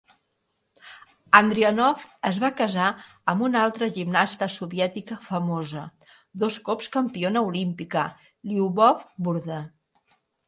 Andrianov es va casar amb una altra gimnasta soviètica famosa, dos cops campiona olímpica, Lyubov Burda.